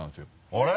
あれ？